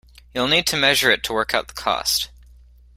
You'll need to measure it to work out the cost.